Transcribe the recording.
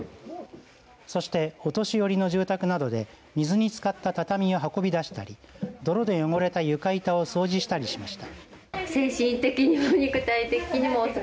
そしてお年寄りの住宅などで水につかった畳を運び出したり泥で汚れた床板を掃除したりしていました。